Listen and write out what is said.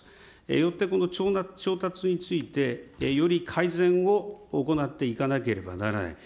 よってこの調達について、より改善を行っていかなければならない。